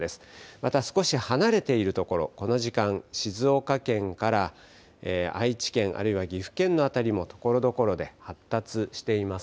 また少し離れているところこの時間、静岡県から愛知県あるいは岐阜県の辺りもところどころで発達しています。